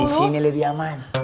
di sini lebih aman